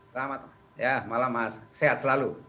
selamat ya malam sehat selalu